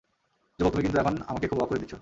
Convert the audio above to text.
যুবক, তুমি কিন্তু এখন আমাকে খুব অবাক করে দিচ্ছ!